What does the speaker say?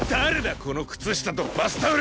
この靴下とバスタオル。